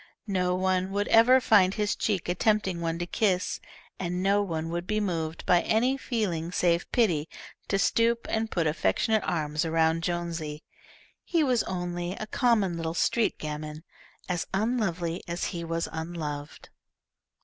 No one would ever find his cheek a tempting one to kiss, and no one would be moved, by any feeling save pity, to stoop and put affectionate arms around Jonesy. He was only a common little street gamin, as unlovely as he was unloved.